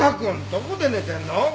どこで寝てんの？